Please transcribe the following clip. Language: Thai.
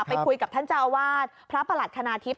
ไปคุยกับท่านเจ้าอาวาสพระประหลัดคณาทิพย